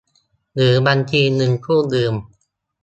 หรือบัญชีเงินกู้ยืม